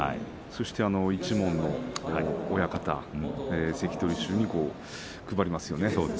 そして一門の親方関取衆に配ります。